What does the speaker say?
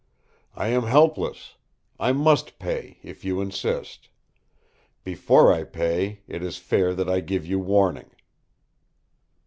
I am helpless. I must pay, if you insist. Before I pay it is fair that I give you warning."